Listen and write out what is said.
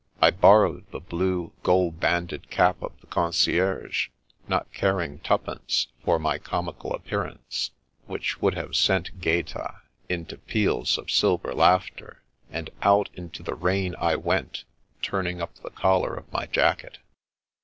I borrowed the blue, gold banded cap of the concierge, not car ing two pence for my comical appearance, which would have sent Gaeta into peals of silver laughter, and out into the rain I went, turning up the collar of my jacket.